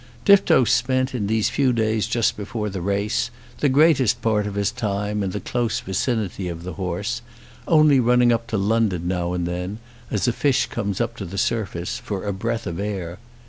Tifto spent in these few days just before the race the greatest part of his time in the close vicinity of the horse, only running up to London now and then, as a fish comes up to the surface, for a breath of air.